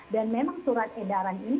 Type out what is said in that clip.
memang surat edaran ini